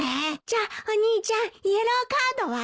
じゃあお兄ちゃんイエローカードは？